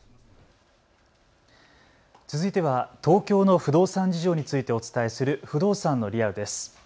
続いては東京の不動産事情についてお伝えする不動産のリアルです。